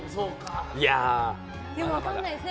でも分からないですね。